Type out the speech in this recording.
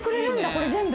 これ全部。